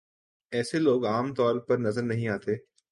ایسے لوگ عام طور پر نظر نہیں آتے ۔